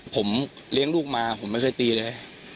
ผมเลี้ยงลูกมาผมไม่เคยตีเลย